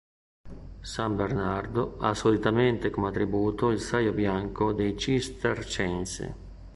San Bernardo ha solitamente come attributo il saio bianco dei Cistercensi.